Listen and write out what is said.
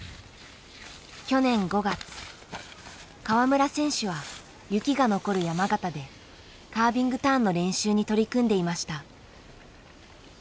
川村選手は雪が残る山形でカービングターンの練習に取り組んでいました。